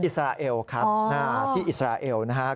อิสราเอลครับที่อิสราเอลนะครับ